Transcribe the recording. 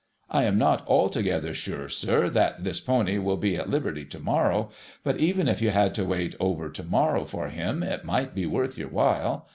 I am not altogether sure, sir, that this pony will be at liberty to morrow, but even if you had to wait over to morrow for him, it might be worth your while.